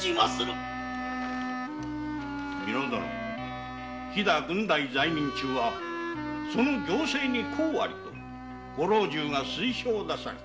美濃殿飛郡代在任中はその行政に功ありとご老中が推奨なされた。